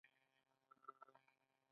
آیا د واورې پاکول لګښت نلري؟